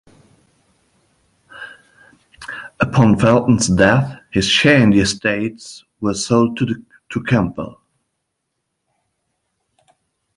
Upon Felton's death, his share in the Estates were sold to Campbell.